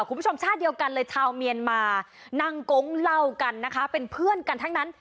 คุณผู้ชมชาติเดียวกันเลยชาวเมียนมานั่งโก๊งเล่ากันนะคะเป็นเพื่อนกันทั้งนั้น